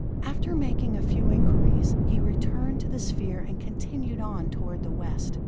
After making a few inquiries, he returned to the sphere, and continued on toward the West.